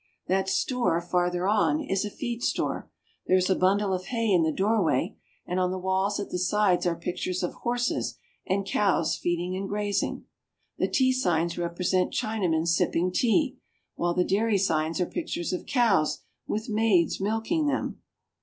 That store farther on is a feed store. There is a bundle of hay in the doorway, and on the walls at the sides are pictures of horses and cows feeding and grazing. The tea signs represent China men sipping tea ; while the dairy signs are pictures of cows with maids milking them.